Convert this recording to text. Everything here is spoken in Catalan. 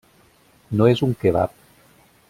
No és un kebab.